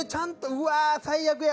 うわー、最悪や。